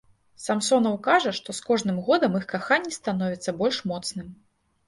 Самсонаў кажа, што з кожным годам іх каханне становіцца больш моцным.